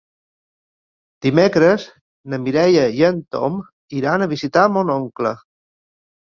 Dimecres na Mireia i en Tom iran a visitar mon oncle.